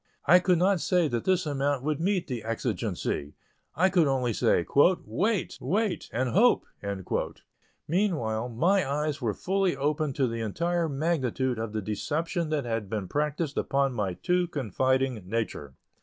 I could not say that this amount would meet the exigency; I could only say, "wait, wait, and hope." Meanwhile, my eyes were fully opened to the entire magnitude of the deception that had been practised upon my too confiding nature.